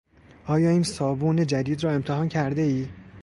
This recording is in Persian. آیا این صابون جدید را امتحان کردهای؟